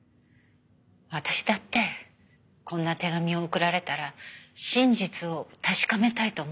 私だってこんな手紙を送られたら真実を確かめたいと思います。